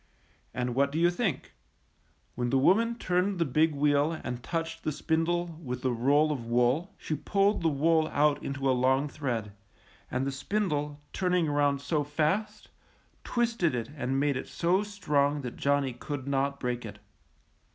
And what do you think? When the wo man turned the big wheel and touched the spindle with the roll of wool, she pulled the wool out into a long thread, and the spindle, turning around so fast, twisted it and made it so strong that Johnny could not break it.